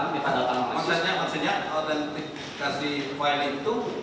maksudnya otentikasi file itu